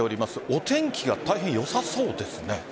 お天気が大変よさそうですね。